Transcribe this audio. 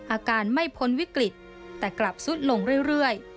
อาการไม่พ้นวิกฤตแต่กลับซุดลงเรื่อย